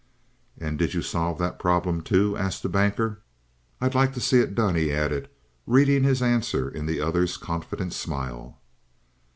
"And did you solve that problem, too?" asked the Banker. "I'd like to see it done," he added, reading his answer in the other's confident smile.